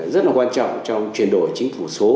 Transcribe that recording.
rất là quan trọng trong chuyển đổi chính phủ số